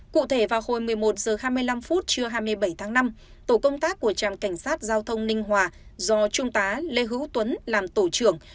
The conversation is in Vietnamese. cụ thể vào hồi một mươi một h hai mươi năm trưa hai mươi bảy tháng năm tổ công tác của trạm cảnh sát giao thông ninh hòa do trung tá lê hữu tuấn làm tổ trưởng